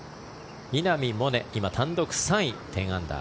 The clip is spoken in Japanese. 稲見萌寧、今、単独３位１０アンダー。